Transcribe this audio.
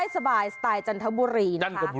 สบายชันทบุรี